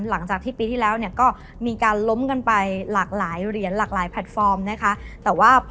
หลังจากที่ปีที่แล้วก็มีการล้มกันไปหลากหลายเหรียญหลากหลายแพลตฟอร์มนะคะ